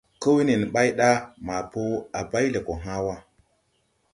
Koo wee nen ɓay ɗa maa po a bay lɛ gɔ hãã wa.